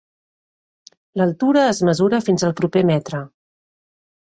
L'altura es mesura fins al proper metre.